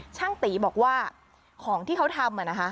ช่างตีบอกว่าของที่เขาทำ